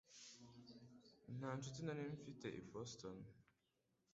Nta nshuti nari mfite i Boston